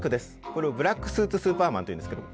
これをブラックスーツスーパーマンというんですけど。